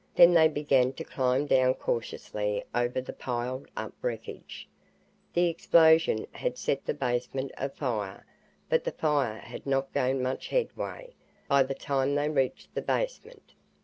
Then they began to climb down cautiously over the piled up wreckage. The explosion had set the basement afire, but the fire had not gained much headway, by the time they reached the basement.